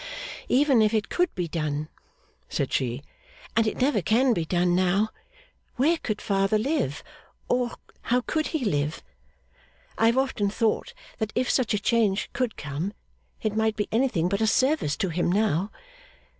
'Even if it could be done,' said she 'and it never can be done now where could father live, or how could he live? I have often thought that if such a change could come, it might be anything but a service to him now.